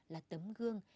là tấm gương